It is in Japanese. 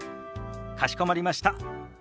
かしこまりました。